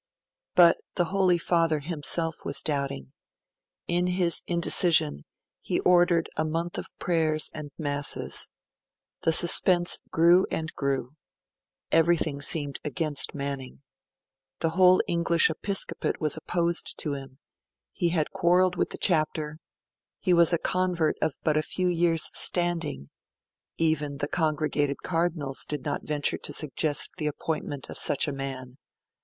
But the Holy Father himself was doubting. In his indecision, he ordered a month of prayers and masses. The suspense grew and grew. Everything seemed against Manning. The whole English episcopate was opposed to him; he had quarrelled with the Chapter; he was a convert of but few years' standing; even the congregated Cardinals did not venture to suggest the appointment of such a man.